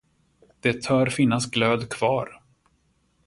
Det tör finnas glöd kvar.